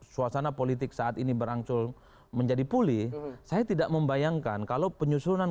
suasana politik saat ini berangsur menjadi pulih saya tidak membayangkan kalau penyusunan